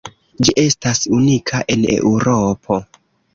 Ĝi estas unika en Eŭropo.